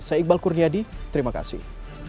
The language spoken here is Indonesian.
saya iqbal kurniadi terima kasih